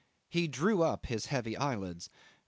He drew up his heavy eyelids.